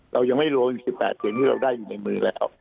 เรายังไม่รวมอีก๑๘เสียงที่เราได้อยู่ในมือแล้ว